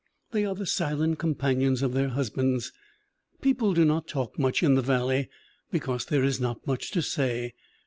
They are the silent com panions of their husbands. People do not talk much in the valley because there is not much to say.